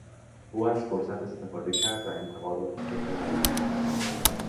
او از فرصت استفاده کرد و انتقادات خود را بیان نمود.